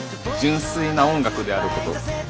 純粋な音楽であること。